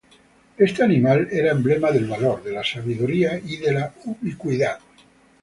Este animal era emblema del valor, de la sabiduría y de la ubicuidad.